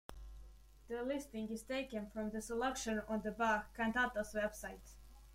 The listing is taken from the selection on the Bach-Cantatas website.